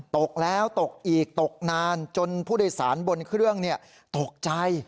ตกแล้วตกอีกตกนานจนผู้โดยสารบนเครื่องตกใจ